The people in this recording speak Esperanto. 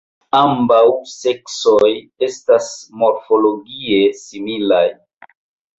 Ambaŭ seksoj estas morfologie similaj.